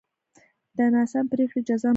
د ناسمې پرېکړې جزا مرګ و